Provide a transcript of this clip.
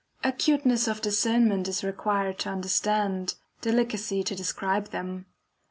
Acuteness of discernment is required to understand, delicacy to describe them.